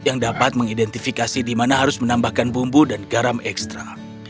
yang dapat mengidentifikasi di mana harus menambahkan bumbu dan garam ekstra